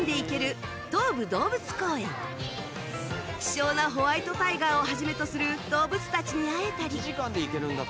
希少なホワイトタイガーを始めとする動物たちに会えたり